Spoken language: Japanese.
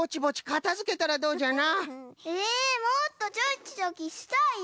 えもっとチョキチョキしたいよ。